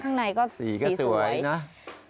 ครั้งในสีก็สวยนะ